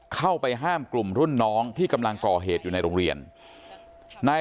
เข้าไปห้ามกลุ่มรุ่นน้องที่กำลังก่อเหตุอยู่ในโรงเรียนนาย